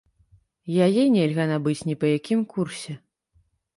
Яе нельга набыць ні па якім курсе.